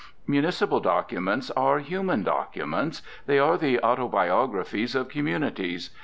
Municipal documents are human documents. They are the autobiographies of communities.